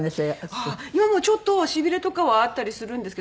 今もちょっと痺れとかはあったりするんですけど。